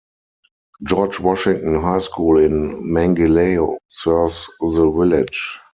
George Washington High School in Mangilao serves the village.